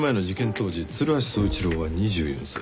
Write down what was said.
当時鶴橋宗一郎は２４歳。